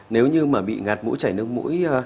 nếu như mà bị ngạt mũi chảy nước mũi